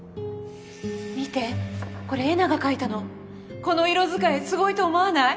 見てこれえなが描いこの色使いすごいと思わない？